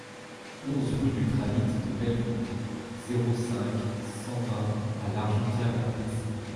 onze rue du Granit de Pelvoux, zéro cinq, cent vingt à L'Argentière-la-Bessée